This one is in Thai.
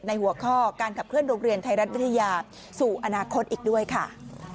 หัวข้อการขับเคลื่อโรงเรียนไทยรัฐวิทยาสู่อนาคตอีกด้วยค่ะ